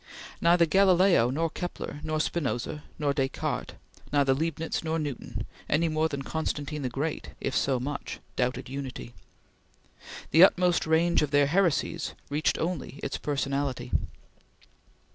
Neither Galileo nor Kepler, neither Spinoza nor Descartes, neither Leibnitz nor Newton, any more than Constantine the Great if so much doubted Unity. The utmost range of their heresies reached only its personality.